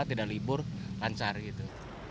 tidak libur lancar gitu